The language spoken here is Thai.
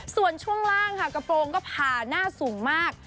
ส่วนช่วงล่างค่ะกระโปรงก็ผ่าหน้าสูงมาก